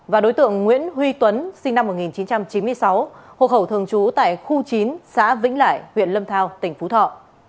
và đối tượng nguyễn huy tuấn sinh năm một nghìn chín trăm chín mươi sáu hộ khẩu thường trú tại khu chín xã vĩnh lại huyện lâm thao tỉnh phú thọ